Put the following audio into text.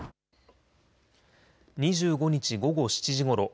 ２５日、午後７時ごろ